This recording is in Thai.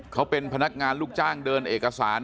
เขาเป็นพนักงานลูกจ้างเดินเอกสาร